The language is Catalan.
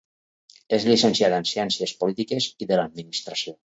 És llicenciada en Ciències Polítiques i de l'Administració.